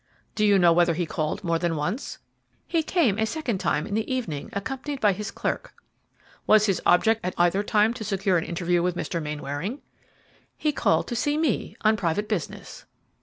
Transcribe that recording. "Do you know whether he called more than once?" "He came a second time, in the evening, accompanied by his clerk." "Was his object at either time to secure an interview with Mr. Mainwaring?" "He called to see me on private business."